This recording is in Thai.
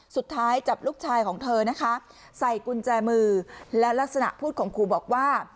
สุดท้ายจับลูกชายของเธอนะคะใส่กุญแจมือและลักษณะพูดข่มขู่บอกว่า